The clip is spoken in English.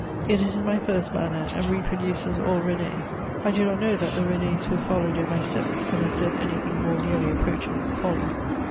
It is in my first manner, and reproduces all René. I do not know that the Renés who followed in my steps can have said anything more nearly approaching folly.